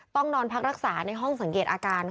ต้องนอนพักรักษาในห้องสังเกตอาการ